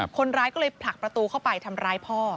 คนร้ายก็เลยผลักประตูเข้าไปทำร้ายพ่อ